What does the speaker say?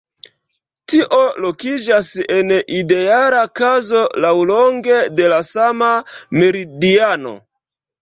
Tio lokiĝas en ideala kazo laŭlonge de la sama meridiano.